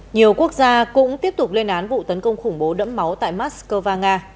nhiều quốc gia cũng tiếp tục lên án vụ tấn công khủng bố đẫm máu tại moscow và nga